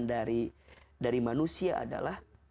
dari manusia adalah